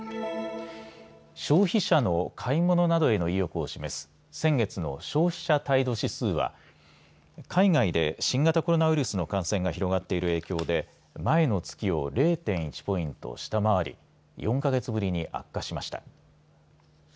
消費者の買い物などへの意欲を示す、先月の消費者態度指数は海外で新型コロナウイルスの感染が広がっている影響で前の月を０．１ポイント下回り、４か月ぶりに悪化しました。